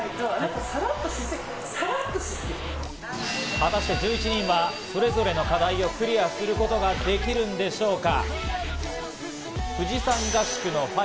果たして１１人は、それぞれの課題をクリアすることができるんでしょうか。